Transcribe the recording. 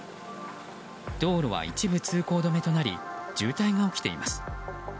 道路は一時通行止めとなり渋滞が起きています。